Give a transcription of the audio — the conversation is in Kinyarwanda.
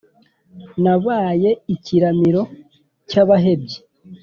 nabaye ikiramiro cy’abahebyi,